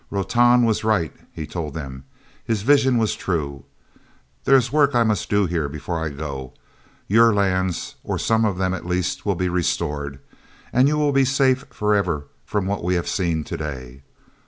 "Rotan was right," he told them. "His vision was true. There is work I must do here before I go. Your lands, or some of them at least, will be restored. And you will be safe forever from what we have seen to day.